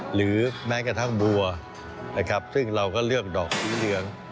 หรือแม้กระทั่งบัวนะครับซึ่งเราก็เลือกดอกสีเหลือง